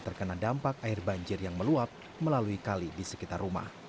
terkena dampak air banjir yang meluap melalui kali di sekitar rumah